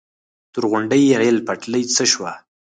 د تورغونډۍ ریل پټلۍ څه شوه؟